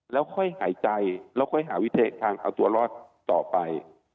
แล้วค่อยหายใจแล้วค่อยหาวิธีทางเอาตัวรอดต่อไป